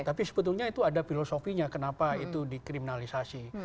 tapi sebetulnya itu ada filosofinya kenapa itu dikriminalisasi